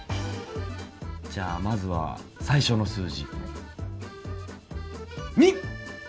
じゃあまずは最初の数字